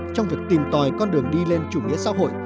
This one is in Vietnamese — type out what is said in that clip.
trong việc tìm tòi con đường đi lên chủ nghĩa xã hội